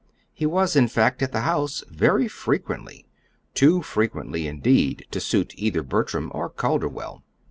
He was, in fact, at the house very frequently too frequently, indeed, to suit either Bertram or Calderwell.